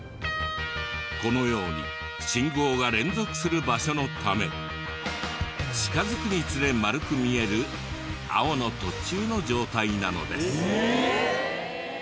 このように信号が連続する場所のため近づくにつれ丸く見える青の途中の状態なのです。